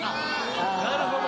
なるほど。